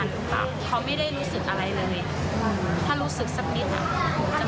มันแข่งตลอดชีวิตมันไม่ใช่แค่พอหายแพ้ลูกเราอาการดีขึ้นอย่างนั้นอย่างนี้